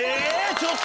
ちょっと！